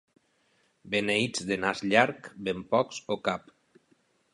Beneits de nas llarg, ben pocs o cap.